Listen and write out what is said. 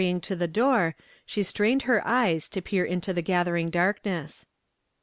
35 to the door, she strained her eyes to peer into the gathering darkness.